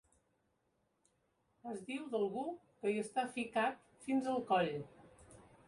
Es diu d'algú que hi està ficat fins al coll.